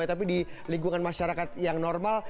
tapi di lingkungan masyarakat yang normal